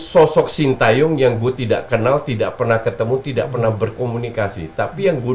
sosok sintayong yang gue tidak kenal tidak pernah ketemu tidak pernah berkomunikasi tapi yang gue